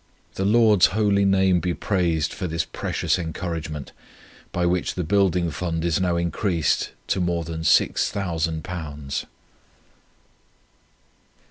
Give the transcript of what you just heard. The Lord's holy name be praised for this precious encouragement, by which the Building Fund is now increased to more than six thousand pounds."